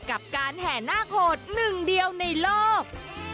กับการแห่นาคโหดหนึ่งเดียวในโลก